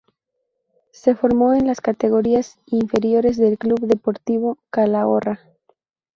Se formó en las categorías inferiores del Club Deportivo Calahorra.